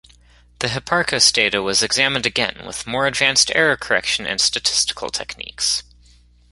The Hipparcos data was examined again with more advanced error correction and statistical techniques.